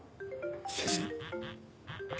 先生？